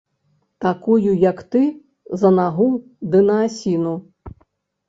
Такую, як ты, за нагу ды на асіну!